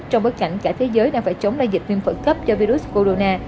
trong bất cảnh cả thế giới đang phải chống đại dịch viêm phận cấp do virus corona